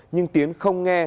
nhưng tiến không nghe